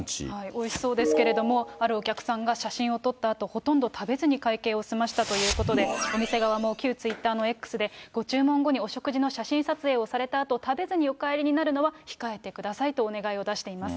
おいしそうですけれども、あるお客さんが写真を撮ったあと、ほとんど食べずに会計を済ませたということで、お店側も旧ツイッターのＸで、ご注文後に、お食事の写真撮影をされたあと、食べずにお帰りになるのは控えてくださいとお願いを出しています。